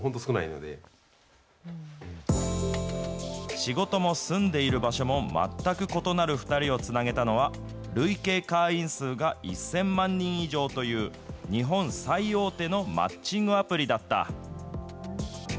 仕事も住んでいる場所も全く異なる２人をつなげたのは、累計会員数が１０００万人以上という、日本最大手のマッチングアプリだった。